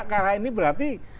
karena ini berarti